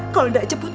kalau gak jemput